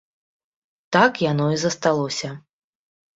Так яно і засталося.